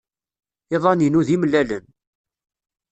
Iḍan-inu d imellalen.